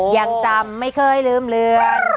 ยังจำไม่เคยลืมเรือน